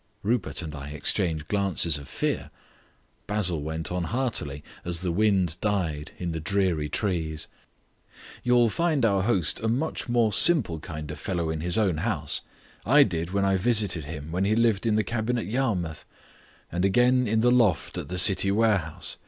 Rupert and I exchanged glances of fear. Basil went on heartily, as the wind died in the dreary trees. "You'll find our host a much more simple kind of fellow in his own house. I did when I visited him when he lived in the cabin at Yarmouth, and again in the loft at the city warehouse.